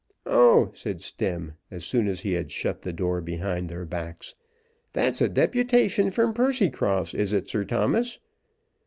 "Oh!" said Stemm, as soon as he had shut the door behind their backs. "That's a deputation from Percycross, is it, Sir Thomas?